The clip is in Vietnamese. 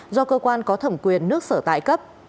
do cơ quan có thẩm quyền nước sở tại cấp